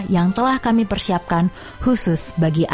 yang telah kami persiapkan khusus bagi anda